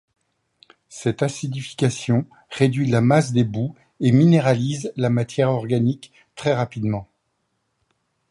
Cette acidification réduit la masse des boues et minéralise la matière organique très rapidement.